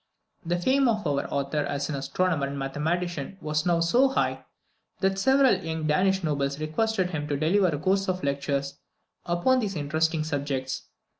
The fame of our author as an astronomer and mathematician was now so high, that several young Danish nobles requested him to deliver a course of lectures upon these interesting subjects.